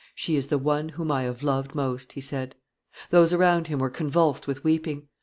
"She is the one whom I have loved most," he said. Those around him were convulsed with weeping.